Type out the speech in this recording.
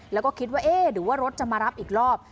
แล้วก็คิดว่าเอ๊ะหรือว่ารถจะมารับอีกรอบ